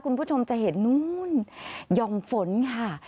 คุณผู้ชมจะเห็นนู้นหย่อมฝนค่ะ